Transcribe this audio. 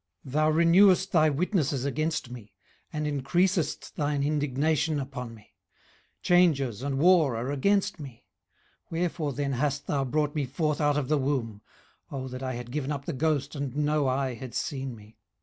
18:010:017 Thou renewest thy witnesses against me, and increasest thine indignation upon me; changes and war are against me. 18:010:018 Wherefore then hast thou brought me forth out of the womb? Oh that I had given up the ghost, and no eye had seen me!